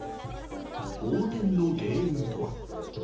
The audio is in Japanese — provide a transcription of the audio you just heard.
横転の原因とは。